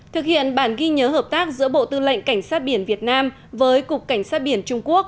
thực hiện bản ghi nhớ hợp tác giữa bộ tư lệnh cảnh sát biển việt nam với cục cảnh sát biển trung quốc